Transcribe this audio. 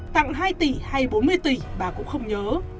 tặng hai tỷ hay bốn mươi tỷ bà cũng không nhớ